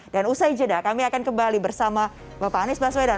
usai jeda kami akan kembali bersama bapak anies baswedan